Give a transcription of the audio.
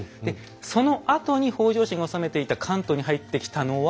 そのあとに北条氏が治めていた関東に入ってきたのは？